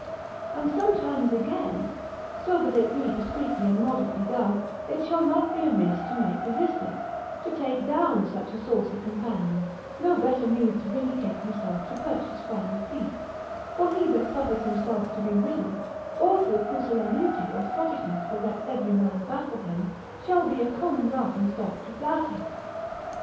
And sometimes again, so that it be discreetly and moderately done, it shall not be amiss to make resistance, to take down such a saucy companion, no better means to vindicate himself to purchase final peace: for he that suffers himself to be ridden, or through pusillanimity or sottishness will let every man baffle him, shall be a common laughing stock to flout at.